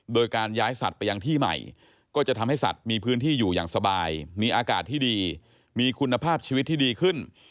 โดยการย้ายสัตว์ไปยังที่ใหม่ก็จะทำให้สัตว์มีพื้นที่อยู่อย่างสบายมีอากาศที่ดีมีคุณภาพชีวิตที่ดีขึ้น